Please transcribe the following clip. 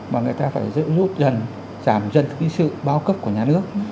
mà người ta phải giữ rút dần giảm dần cái sự bao cấp của nhà nước